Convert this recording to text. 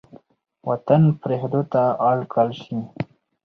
وطـن پـرېښـودو تـه اړ کـړل شـي.